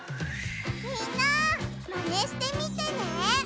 みんなマネしてみてね！